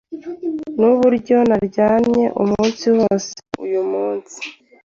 Nuburyo naryamye umunsi wose uyumunsi.